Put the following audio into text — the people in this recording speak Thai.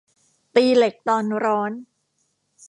ตีเหล็กตอนร้อน